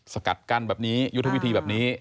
สกัดกั้นแบบนี้ยุทธวิธีแบบนี้